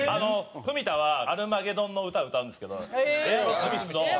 文田は『アルマゲドン』の歌歌うんですけどエアロスミスの。